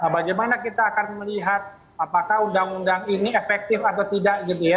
bagaimana kita akan melihat apakah undang undang ini efektif atau tidak gitu ya